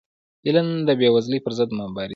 علم د بېوزلی پر ضد مبارزه کوي.